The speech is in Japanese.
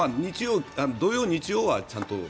土曜日曜はちゃんと。